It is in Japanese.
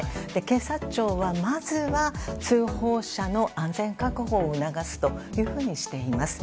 警察庁はまずは通報者の安全確保を促すとしています。